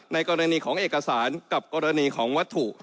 ในกรณีของเอกสารกับกรณีของวัตถุ